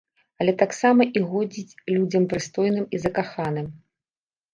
Але таксама і годзіць людзям прыстойным і закаханым.